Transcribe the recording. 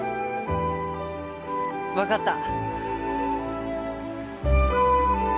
わかった。